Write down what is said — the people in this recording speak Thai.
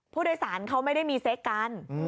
ผู้โดยสารเขาไม่ได้มีเซ็กกัน